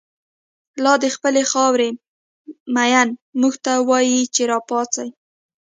لادخپلی خاوری مینه، موږ ته وایی چه راپاڅئ